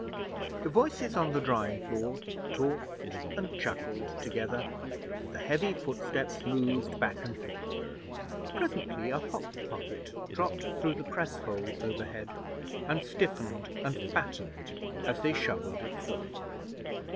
The voices on the drying floor talked and chuckled together, and the heavy footsteps moved back and forth. Presently a hop pocket dropped through the press hole overhead, and stiffened and fattened as they shovelled it full.